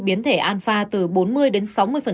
biến thể alpha từ bốn mươi đến sáu mươi